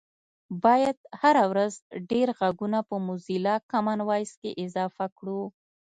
باید هره ورځ ډېر غږونه په موزیلا کامن وایس کې اضافه کړو